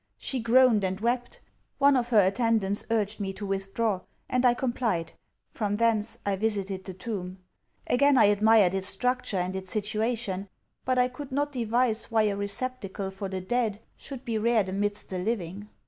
She groaned and wept. One of her attendants urged me to withdraw; and I complied. From thence, I visited the tomb. Again I admired its structure and its situation; but I could not devise why a receptacle for the dead should be reared amidst the living.